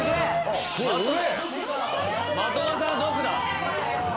的場さんドクだ。